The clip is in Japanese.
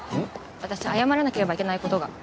私謝らなければいけない事が。